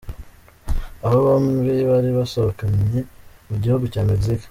Aba baombi bari basohokeye mu gihugu cya Mexique.